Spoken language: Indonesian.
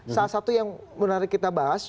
salah satu yang menarik kita bahas